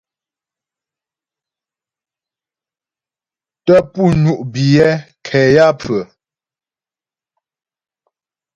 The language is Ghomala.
Tə́ pú ŋú' biyɛ nkɛ yaə́pfʉə́'ə.